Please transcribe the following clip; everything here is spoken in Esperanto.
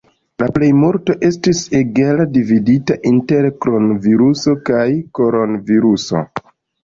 La plejmulto estis egale dividita inter kron-viruso kaj koron-viruso.